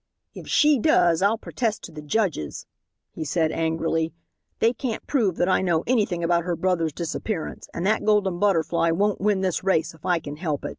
"If she does I'll protest to the judges," he said angrily; "they can't prove that I know anything about her brother's disappearance, and that Golden Butterfly won't win this race if I can help it."